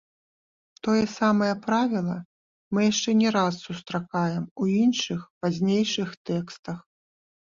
Тое самае правіла мы яшчэ не раз сустракаем у іншых, пазнейшых тэкстах.